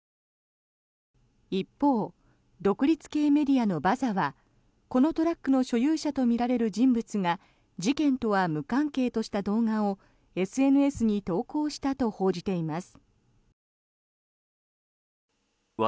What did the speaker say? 一方、独立系メディアのＢＡＺＡはこのトラックの所有者とみられる人物が事件とは無関係とした動画をＳＮＳに投稿したと報じています。